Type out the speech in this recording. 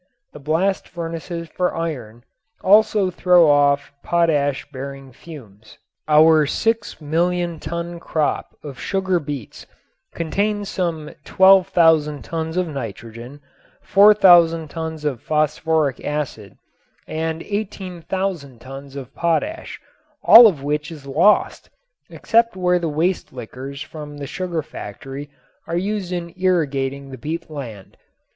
The blast furnaces for iron also throw off potash bearing fumes. Our six million ton crop of sugar beets contains some 12,000 tons of nitrogen, 4000 tons of phosphoric acid and 18,000 tons of potash, all of which is lost except where the waste liquors from the sugar factory are used in irrigating the beet land.